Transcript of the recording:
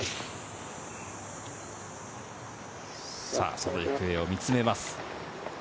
その行方を見つめます。